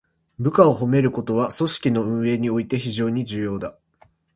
部下を褒めることは、組織の運営において非常に重要だ。